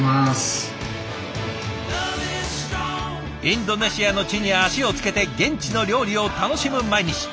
インドネシアの地に足をつけて現地の料理を楽しむ毎日。